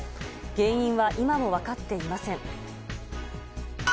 原因は今も分かっていません。